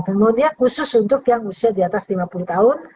kemudian khusus untuk yang usia di atas lima puluh tahun